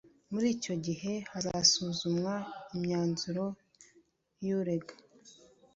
muri icyo gihe hasuzumwa imyanzuro y'urega